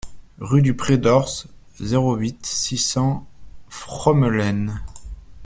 Rue du Pré d'Haurs, zéro huit, six cents Fromelennes